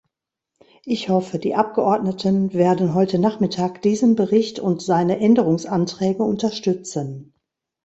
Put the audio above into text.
Ich hoffe, die Abgeordneten werden heute Nachmittag diesen Bericht und seine Änderungsanträge unterstützen.